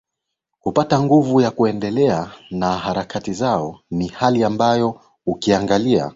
kupata nguvu ya kuendelea na harakati zao ni hali ambayo ukiangalia